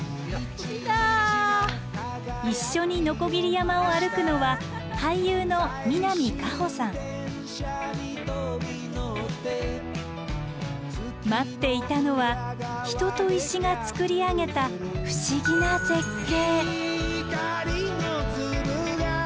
一緒に鋸山を歩くのは待っていたのは人と石がつくり上げた不思議な絶景。